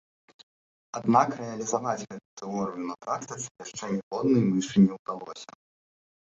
Аднак рэалізаваць гэту тэорыю на практыцы яшчэ ніводнай мышы не ўдалося.